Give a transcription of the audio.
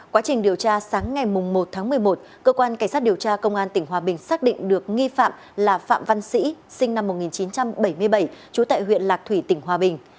quá trình điều tra sáng ngày một tháng một mươi một cơ quan cảnh sát điều tra công an tỉnh hòa bình xác định được nghi phạm là phạm văn sĩ sinh năm một nghìn chín trăm bảy mươi bảy trú tại huyện lạc thủy tỉnh hòa bình